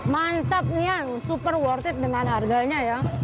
mantap ini ya super worth it dengan harganya ya